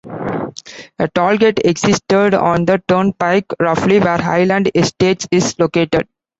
A toll gate existed on the turnpike roughly where Highland Estates is located.